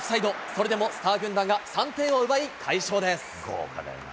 それでもスター軍団が３点を奪い、快勝です。